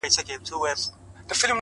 د سکريټو آخيري قطۍ ده پاته،